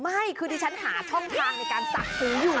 ไม่คือที่ฉันหาท่องทางในการสั่งซื้ออยู่